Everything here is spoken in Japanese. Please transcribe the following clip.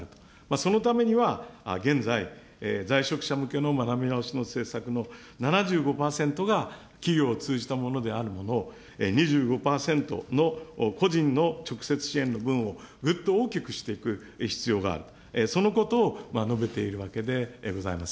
そのためには現在、在職者向けの学び直しの政策の７５％が企業を通じたものであるもの、２５％の個人の直接支援の分をぐっと大きくしていく必要がある、そのことを述べているわけでございます。